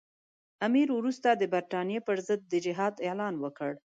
امیر وروسته د برټانیې پر ضد د جهاد اعلان وکړ.